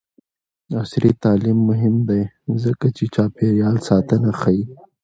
عصري تعلیم مهم دی ځکه چې چاپیریال ساتنه ښيي.